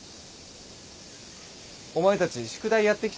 お前たち宿題やってきたのか？